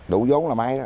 đủ giống là may đó